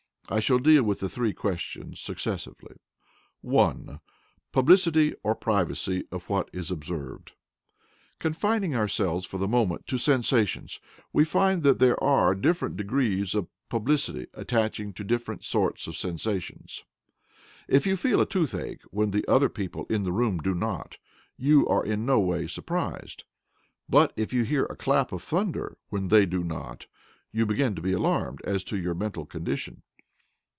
I shall deal with the three questions successively. (1) PUBLICITY OR PRIVACY OF WHAT IS OBSERVED. Confining ourselves, for the moment, to sensations, we find that there are different degrees of publicity attaching to different sorts of sensations. If you feel a toothache when the other people in the room do not, you are in no way surprised; but if you hear a clap of thunder when they do not, you begin to be alarmed as to your mental condition.